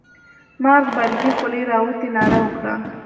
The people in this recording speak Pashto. مار غبرگې خولې را وتې ناره وکړه.